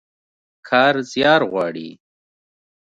کار زيار غواړي.